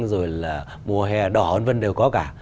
rồi là mùa hè đỏ vân vân đều có cả